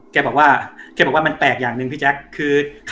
แกบอกว่ามันแปลกอย่างหนึ่งพี่แจ๊ค